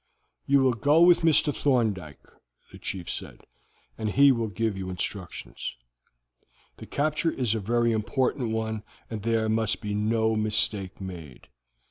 "You will go with Mr. Thorndyke," the chief said, "and he will give you instructions. The capture is a very important one, and there must be no mistake made.